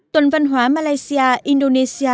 tuần văn hóa malaysia indonesia